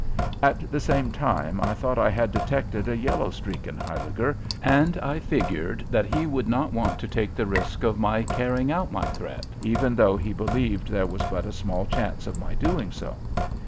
At the same time I thought I had detected a yellow streak in Huyliger, and I figured that he would not want to take the risk of my carrying out my threat, even though he believed there was but a small chance of my doing so.